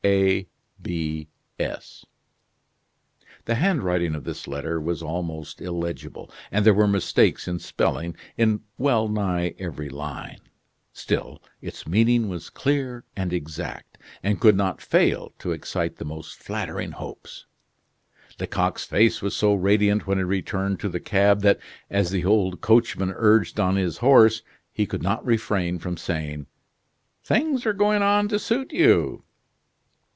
A. B. S." The handwriting of this letter was almost illegible; and there were mistakes in spelling in well nigh every line; still, its meaning was clear and exact, and could not fail to excite the most flattering hopes. Lecoq's face was so radiant when he returned to the cab that, as the old coachman urged on his horse, he could not refrain from saying: "Things are going on to suit you."